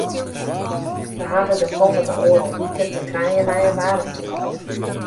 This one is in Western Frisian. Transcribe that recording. Wy hawwe de kommende oardel wike te krijen mei in waarmtegolf.